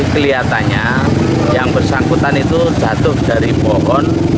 kelihatannya yang bersangkutan itu jatuh dari pohon